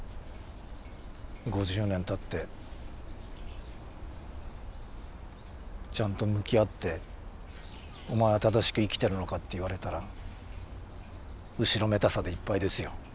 ５０年たってちゃんと向き合ってお前は正しく生きてるのかって言われたら後ろめたさでいっぱいですよ。